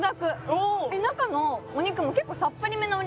お中のお肉も結構さっぱりめなお